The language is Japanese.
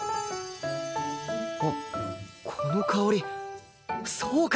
あっこの香りそうか！